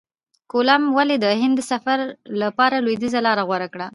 کولمب ولي د هند د سفر لپاره لویدیځه لاره غوره کړه؟